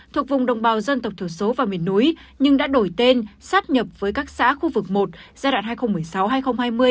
thuộc vùng đồng bào dân tộc thiểu số và miền núi nhưng đã đổi tên sắp nhập với các xã khu vực một giai đoạn hai nghìn một mươi sáu hai nghìn hai mươi